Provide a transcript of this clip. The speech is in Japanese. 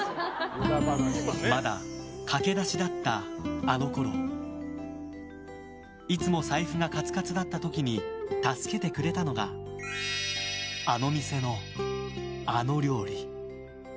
まだ駆け出しだったあのころいつも財布がカツカツだった時に助けてくれたのがあの店の、あの料理。